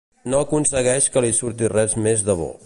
No aconsegueix que li surti res més de bo.